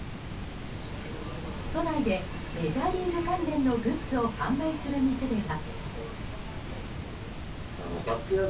都内でメジャーリーグ関連のグッズを販売する店では。